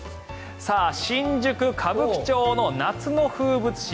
新宿・歌舞伎町の夏の風物詩